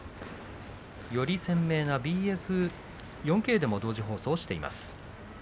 より鮮明なＢＳ４Ｋでも同時放送しています。